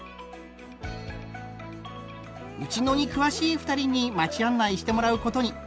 内野に詳しい２人に町案内してもらうことに。